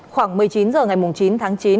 khoảng một mươi chín h ngày chín tháng chín